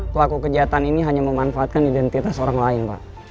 pelaku kejahatan ini hanya memanfaatkan identitas orang lain pak